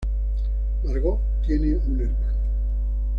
Margaux tiene un hermano.